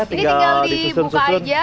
ini tinggal dibuka aja